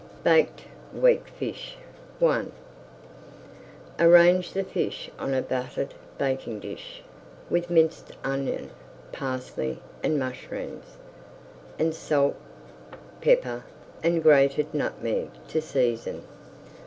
BAKED WEAKFISH I Arrange the fish on a buttered baking dish with minced onion, parsley, and mushrooms, and salt, pepper, and grated nutmeg to season.